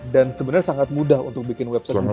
dan sebenarnya sangat mudah untuk bikin website judi online